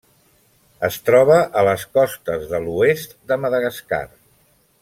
Es troba a les costes de l'oest de Madagascar.